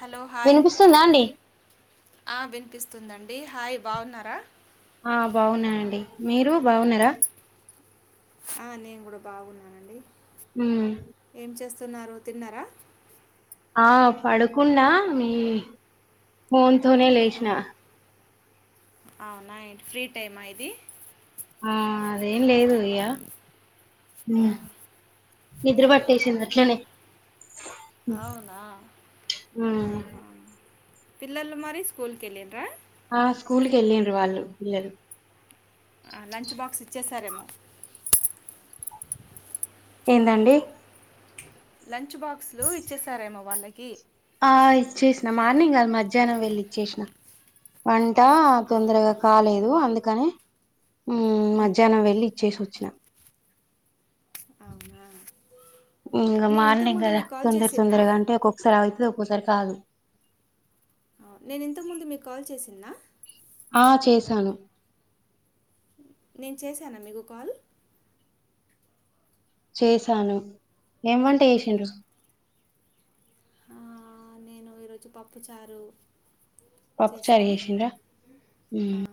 Hello hi వినిపిస్తుందా అండి ఆ వినిపిస్తు స్తుందండి హాయ్ బాగున్నారా ఆ బాగున్ననండి మీరు బాగున్నారా ఆ నేను కూడా బాగున్నానండి హు స్తున్నారు తిన్నారా ఆ పడుకున్నా మీ ఫోన్ తోనే ఆ, లేష్నా అవునా ఫ్రీ టైమా ఇది ఆ అదే ఏం లేదు ఇగ ఆ, నిద్ర పట్టేసింది ఓకే అట్లనే పిల్ అవునా ఆహా. పిల్లలు మరి స్కూల్ కి ఎళ్ళిండ్రా ఆ స్కూల్ కి వెళ్ళండ్రి వాళ్ళు పిల్లలు ఆ లంచ్ బాక్స్ ఇచ్చేసారేమో ఏందండి లంచ్ బాక్సులు ఇచ్చేసారేమో వాళ్ళకి ద్యానం వెళ్ళి ఇచ్చేసిన వన్ ట అవునా తొందరగా కాలేదు అందు కానీ ఉమ్ మధ్యానం వెళ్లి ఇచ్చేసి వొ చ్చిన అవునా ఉమ్, ఇంగ నేను మార్నింగ్ ఇంతకుముందు కదా మీకు కాల్ తొందర చేసిన్నా తొందరగా అంటే ఒకొక్కసారి అయితది ఒ క్కోసారి కాదు అవును నేను ఇంతకు ముందు మీకు కాల్ చేసిన్న ఆ చేసాను నేను చేశానా మీకు కాల్ చేసాను ఎంవంట చేసిర్రు ఆ ఈ రోజు పప్పు చారు పప్పు చేసిన చారు చేసిండ్రా ఆ, హ్మ్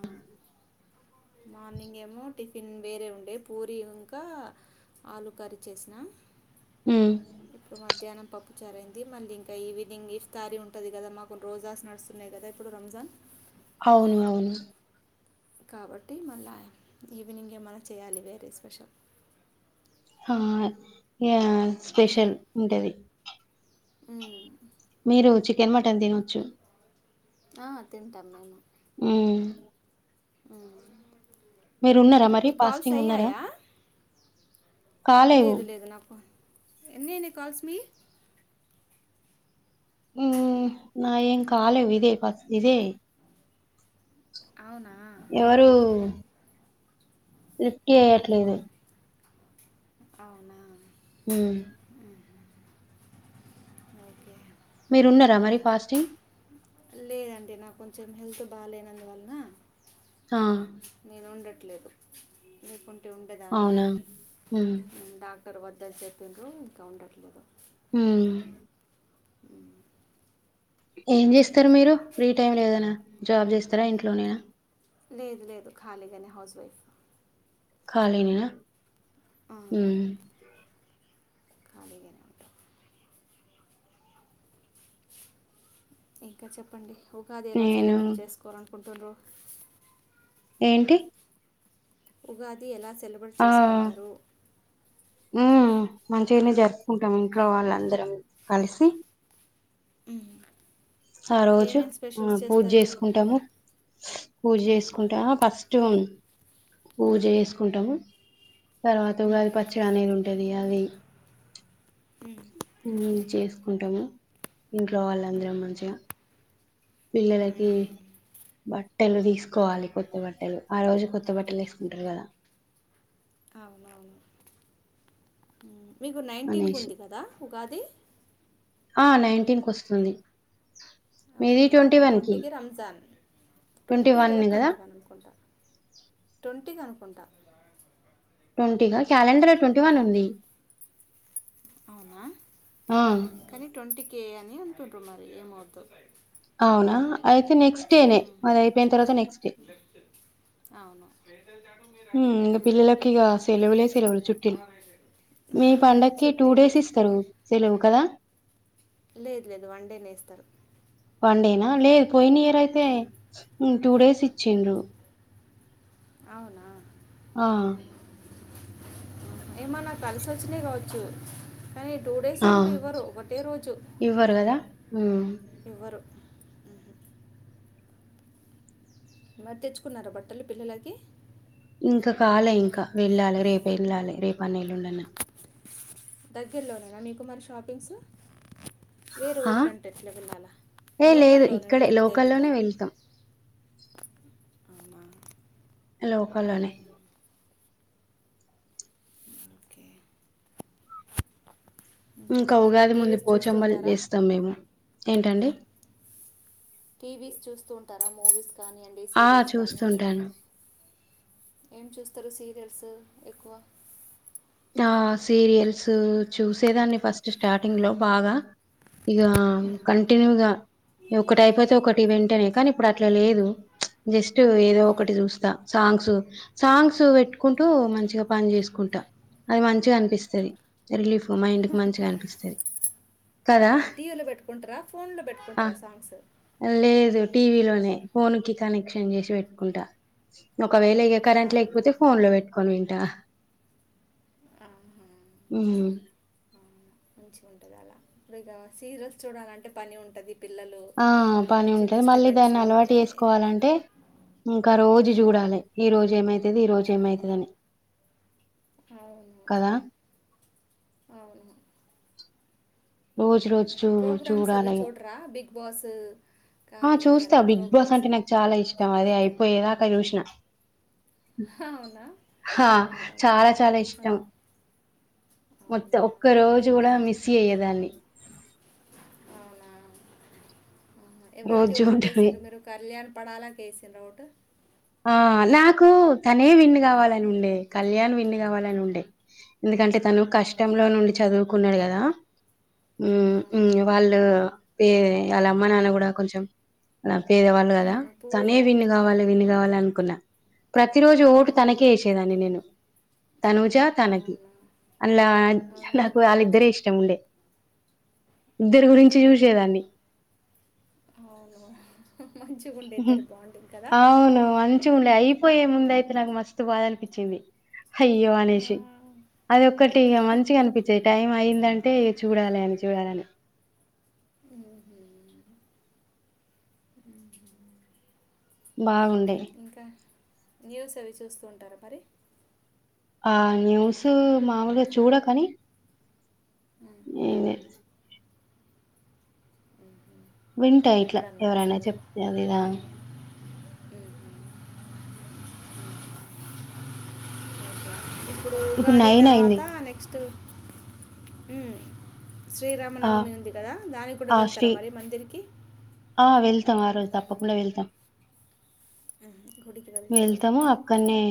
మార్నింగ్ ఏమో టిఫిన్ వేరే ఉండే పూరి ఇంకా ఆలు కర్రీ చేసిన మ్మ్ ఇప్పుడు మధ్యాహ్నం పప్పుచరైంది మళ్ళీ ఇంకా ఈవినింగ్ ఈఫ్ తారీ ఉంటుంది కదా మాకు రోజాస్ నడుస్తున్నాయి కదా ఇప్పుడు రంజాన్ అవును అవును కాబట్టి మళ్ళా ఈవినింగ్ ఏమైనా చేయాలి వేరే స్పెషల్ అ య స్పెషల్ ఉంటది హ్మ్మ్ మీరు చికెన్ మటన్ తినొచ్చు ఆ తింటాం మేము మ్మ్ హ్మ్ మీరు ఉన్నారా మరి ఫస్టింగ్ ఉన్నారా కాలేవు లేదు లేదు నాకు ఎన్ని ఐనవి కాల్స్ మీయి ఉ నాయెం కాలే ఇదే పస్ ఇదే అవునా ఎవరు లిఫ్ట్ కేయట్లేదు అవునా హ్మ్మ్ ఓకే మీరు ఉన్నారా మరి ఫాస్టింగ్ లేదండి నాకు కొంచెం హెల్త్ బాలేన అందువలన ఆ నేను ఉండట్ ట్లేదు మీకు ఉండేదాన్నే అవునా మ్మ్ డాక్ట ర్ వద్దని చెప్పింరూ ఇంకా ఉండట్లేదు హ ఉమ్, ఏం చేస్తారు మీరు అలా ఫ్రీ టైం లో ఏదన జాబ్ చేస్తారా ఇంట్లో నేనా లేదు లేదు ఖాళీగానే హౌస్ వైఫ్ కాలినా అమ్మ్ కలిగానే ఉంట ఇంకా చెప్పండి ఉగాది ఎలా నేను సెలబ్రేట్ చేసుకోలనుకుంటుంరు ఏంటి ఉగాది ఎలా సెలబ్రేట్ చేసుకుంటారు ఉ మంచిగానే జరుపుకుంటాం ఇంట్లో వాళ్ళందరం కలిసి ఉహు ఆ రోజు ఆ పూజ చేసుకుంటాము పూజ చేసుకుంటా ఫస్ట్ పూజ చేసుకుంటాము తర్వాతగా ఉగాది పచ్చడి అనేది ఉంటది అది ఉమ్ చేసుకుంటాము ఇంట్లో వాళ్ళందరూ మంచిగా పిల్లలకి బట్ ట్టలు తీసుకోవాలి కొత్త బట్టలు ఆ రోజు కొత్త బట్టలు వేసుకుంటారు కదా అవునవును మీకు నైన్టీన్ కు అనేసి ఉంది కదా గాది ఆ నైటీన్ కు వస్తుంది మీది ఓకే ట్వంటీ మాకు వన్ కి ట్వంటీకి రంజాన్ ట్వంటీ వన్ లేదా కదా ట్వంటీ వన్ అనుకుంటాను ట్వంటీకి అనుకుంటను ట్వంటీగా క్యాలెండర్ ట్వంటీ వన్ ఉంది అవున ఆ కానీ ట్వంటీ కే అని అంటుర్రు మరి ఏమవుందో అవునా ఆయి నెక్స్ట్ నే అది అయిపోయిన తర్వాత నెక్స్ట్ అవును ఉమ్ ఇంక పిల్లలకి ఇక సెలవులే సెలవులు చుటిలు మీ పండకి టూ చుట్టీలే డేస్ ఇస్తారు సెలవు కదా లేదు లేదు వన్ డే నే ఇస్తారు వన్ డేనా లేదు పోయిన ఇయర్ అయితే ఉమ్. టూ డేస్ ఇచ్చిండ్రు అవునా ఆ ఏమో నాకు కలిసి వచ్చినాయి కావచ్చు కానీ టూ డేస్ ఆ అంటే ఇవ్వరు ఒకటే రోజు ఇవ్వరు కదా ఉమ్ ఇవ్వరు మరి తెచ్చుకున్నారా బట్టలు పిల్లలకి ఇంకా కాలే ఇంకా వెళ్ళాలి రేపు వెళ్ళాలే రేపు అన్న ఎల్లుండి అన్న దగ్గరలోనేనా మీకు మరి షాపింగ్సు వేరే ఆ ఊరి కంటే ఎట్లా వెళ్ళాలా ఏ లేదు లోకల్లోనే ఇక్కడే దొరుకుతాయి మీకు లోకల్లోనే వెళ్తాం అవునా లోకల్లోనే ఓకే ఇంకా చెప్పండి ఉగాది ముందు, టీవీస్ పోచమ్మల్ చూస్తుంటారా చేస్తాం మేము. ఏంటండి? టీవీస్ చూస్తూ ఉంటారా? మూవీస్ కానీయండి, ఆ సీరియల్స్ కానీయండి, చూస్తుంటాను ఏం చూస్ తరు సీరియల్సు ఎక్కువ ఆ సీరియల్సు చూసేదాన్ని, ఫస్ట్ స్టార్టింగ్ లో బాగా! ఇగ కంటిన్యూగా ఒకటి అయిపోతే ఒకటి వెంటేనె కానీ, ఇప్పుడట్ల లేదు. జస్ టు ఏదో ఒకటి చూస్తా. సాంగ్సు, సాంగ్స్ పెట్టుకుంటూ మంచిగ పని చేసుకుంటా. అది మంచిగా అనిపిస్తది. రిలీఫ్ మైండ్ కి మంచిగ అనిపిస్తది. కదా! ఆ, టీవీలో పెట్టుకుంటారా ఫోన్లో అ పెట్టుకుంటారా సాంగ్స్ లేదు టీవీలోనే, ఫోన్ కి కనెక్షన్ చేసి పెట్టుకుంటా. ఒకవేల ఇగ కరెంట్ అవునా లేకపోతె, ఫోన్ లో పెట్ కొన్ని వింటా. మ్ మంచిగుంటది అలా ఇప్పుడు ఇక సీరియల్స్ చూడాలంటె, పని ఉంటది. ఆ పని ఉంటది. మళ్ళీ దాన్ని అలవాటు చేసుకోవాలంటె, ఇంకా రోజు చూడాలి. ఈ రోజు ఏమైతది? ఈ రోజు ఏమైతది అని. అవును. అవును. మ్ రోజు హు రోజు చూ ప్రోగ్రామ్స్ అవి చూడాలి చూడరా? బిగ్ బాసు ఆ చూస్తా. బిగ్ బాస్ అంటె నాకు చాలా ఇష్టం. అది ఐ పోయేదాకా చూసినా. అవునా హ చాలా అవునవును చాలా ఆ, ఇష్టం. మోత్ ఒక్క అవునా రోజు కూడ మిస్ చి అయ్యేదాన్ని. ఆహ రోజు ఎవరికి చూడటమే ఓటేసిండ్రు మీరు? కళ్యాణ్ పడాలాకి ఏసిండ్ర ఓటు? ఆ నాకు తనే విన్ కావాలనుండె. కళ్యాణ్ విన్ కావాలనుండె. ఎందుకంటే, తను అవునా కష్టంలో నుండి చదువుకొ ఉన్నాడు కదా! ఉమ్. అవును ఇంగ వాళ్ళు, ఏ వాళ్ళ అమ్మ నాన్న కూడా కొంచెం ల పేదవాళ్ళు కదా! ఉమ్, తనే పూర్గా విన్ ఉమ్, కావాలి. విన్న ఉమ్. కావల్ల. అ ప్రతి రోజు ఓటు ఉమ్, తనకే ఉమ్. ఏసేదాన్ని నేను. తనుజా తనకి అవునా అందులా ఆహా, నాకు వాళ్ళిద్దరే ఇష్టం ఉండే ఇద్దరు గురించి ఆహా. చూసేదాన్ని అవును మంచిగా ఉండే ఇద్దరు బాండింగ్ కదా అవును మంచిగా ఉండే అయిపోయి ముంద అయితే నాకు మస్తు బాధ అనిపించింది అయ్యో ఆ. అనేసి అది ఒక్కటి మంచిగా అనిపించేది టైం అయ్యిందం అంటే చూడాలి అని చూడాలని హ్మ్ హ్మ్ బాగుండే న్యూస్ అవి చూస్తూ ఉంటారా మరి ఆ న్యూస్ మామూలుగా చూడ కాని ఉమ్, ఏ ఉమ్, ఉమ్. వింటా ఇట్లా ఎప్పుడన్నా ఎవరైనా ఒకసారి చెప్తు అదిదా ఉమ్ హమ్ ఇప్పుడు ఉగాది నైన్ తర్వాత అయింది నెక్స్ట్ అ ఆ శ్రీరామనవమి ఉంది కదా దానికి కూడా ఆ వె స్తార స్టే మరి మందిర్కి ఆ వెళ్తాం ఆ రోజు తప్పకుండా వెళ్తాం ఉమ్, గుడికి వెళ్తారు వెళ్తాము అక్కనే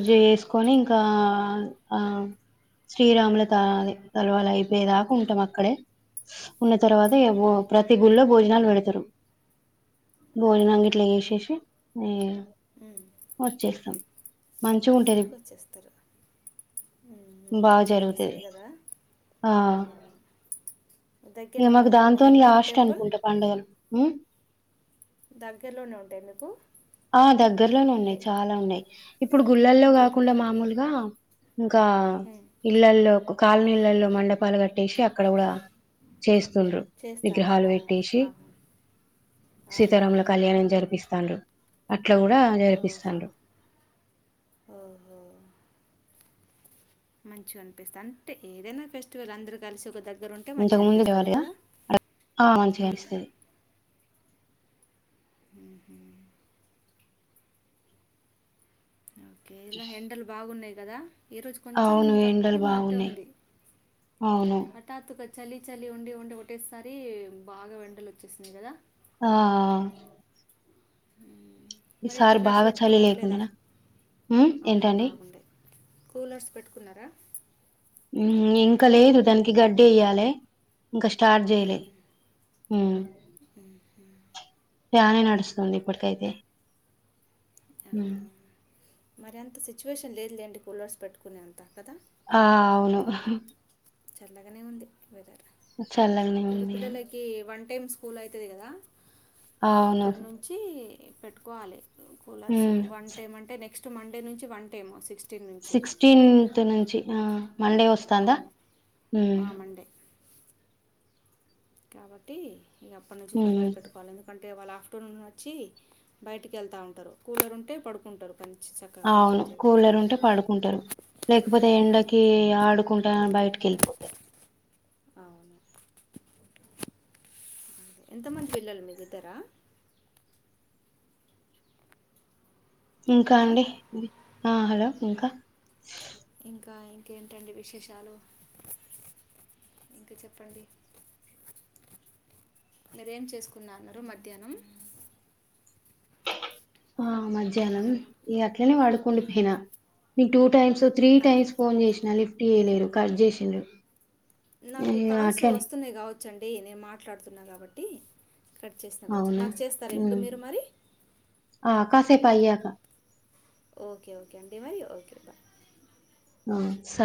ఆ, చేసుకొని ఇం ఇకా ఆ శ్రీరాముల త తలవాలు అయిపోయే దాకా ఉంటాం అక్కడే ఉన్న తర్వాత ఏ ఉమ్హు, గుళ్ళ భోజనాలు వెడతారు బోల్ ఆహా మంగట్లే విసేసి న మంచిగా ఉంటది ఇంటికి వచ్చేస్తారు బాగా మంచి జరుగుతది అనిపిస్తుంది కదా ఆ అవును దగ్గరలో ఉన్నాం దాని దగ్గర మీ కూడా కష్టట్ అనుకుంటే పండుగలు దగ్గరలోనే ఉంటాయి మీకు ఆ దగ్గర్లోనే అంటే ఉన్నాయి చాలా ఉన్నాయి ఇప్పుడు గుళ్ళల్లో గుడ్లు కాకుండా మామూలుగా ఇంకా ఉమ్, ఇళ్లల్లో కాలనీలలో మండపాలు కట్టేసి అక్కడ కూడా చేస్తుండ్ర చేస్తానరా విగ్రహాలు పెట్టేసి ఆహా అవునా సీతారాముల కళ్యాణం జరిపిస్తు చాలు ఇలా జరిపిస్తారు ఓహో మంచిగ అనిపిస్తుంది అంటే ఏదైనా ఫెస్టివల్ అందరు కలిసి ఒకద ఇంతకు ముందు ఇవాలియా ఉమ్, మంచిస్తుంది హ ఓకే ఇలా హెండలు బాగున్నాయి కదా ఈ రోజు కొంచెం అవును ఎండలు తక్కునట్టటు బాగున్నాయి ఉంది అవును హఠాత్తుగా చలి చలి ఉండి ఉండే ఒకటేసారి బాగా ఎండలు వచ్చేసన్నాయి కదా ఆ హు ఈసారి బాగా చలి లేకుండా హ్మ్ అవును ఏంటండి బాగుండే కూలర్స్ పెట్టుకున్నారా ఇంకా లేదు దానికి గడ్డి వెయ్యాలి ఇంకా స్టార్ట్ చేయలే ఉమ్, బానే నడుస్తుంది ఇప్పటికైతే హ్మ్ అవును. మరి అంత సిచ్యువేషన్ లేదులేండి కూలర్స్ పెట్టుకునే అంత కదా ఆ అవును చల్లగానే ఉంది వెథర్ చలగనే ఉంది వన్ టైం స్కూల్ అవుతుంది కదా అవును అప్పటి నుంచి పెట్టుకోవాలి కూలర్స్ ఉమ్ వన్ టైమ్ అంటే నెక్స్ట్ మండే నుంచి వన్ టైమ్ సిక్స్ సిక్సటీన్త్ నుంచి ఆహా మండే వసతంద అవును ఆ, మండే కాబట్టి ఈక అప్పటి నుంచి ఉమ్, కూలర్ పెట్టుకోవాలి ఎందుకంటే అంటే వాళ్ళ ఆఫ్టర్నూన్ వచ్చి బయటికి వెళ్తా ఉంటారు కూలర్ ఉంటే పడుకుంటారు కొంచెం చక్కగా కొంచెం అవును సేపు కదా కూలర్ ఉంటే పడుకుంటారు లేకపోతే ఎండకి ఆడు కుంటాం బయటకి వెళ్ళిపోత అవును ఎంతమంది పిల్లలు మీకు ఇద్దార ఇంకా హలో అండి ఆ హలో ఇంకా ఇంకా ఇంకేంటండి విశేషాలు ఇంకా చెప్పండి మీరేం ఏం చేసుకున్న అన్నారు మధ్యాహ్నం ఆ మ ధ్యాహ్నం హలో ఇగ అట్లనే పడుకుండిపోయిన మీకు టూ టైమ్స్ త్రీ ఆ, టైమ్స్ ఫోన్ చేసినా లీ చేయలేరు కట్ చేసిండ్రు నాకు ఇగ కాల్స్ అట్లనే వస్తున్నాయి కావ అండి నేను మాట్లాడుతున్నా కాబట్టి కట్ చేసిన కావచ్చు అవునా నాకు చేస్తారా ఇప్పుడు మీరు మరి పయ్యాక ఓకే ఓకే డివారియు ఓకే బాయ్ ఆ స